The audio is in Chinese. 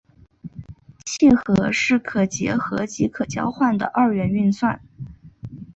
楔和是可结合及可交换的二元运算。